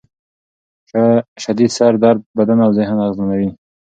شدید سر درد بدن او ذهن اغېزمنوي.